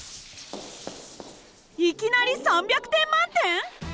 いきなり３００点満点！？